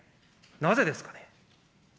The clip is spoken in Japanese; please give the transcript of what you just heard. なぜですかね。